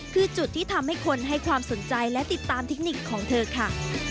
คือจุดที่ทำให้คนให้ความสนใจและติดตามเทคนิคของเธอค่ะ